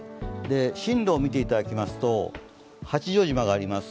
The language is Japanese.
進路を見ていただきますと、八丈島があります。